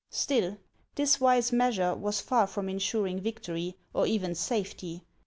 IStill, this wise measure was far from insuring victory, or even safety.